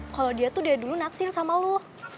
kalau dia tuh dari dulu naksir sama lo